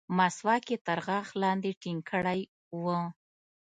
مسواک يې تر غاښ لاندې ټينګ کړى و.